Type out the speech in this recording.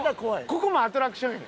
ここもアトラクションよ。